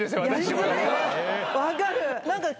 分かる。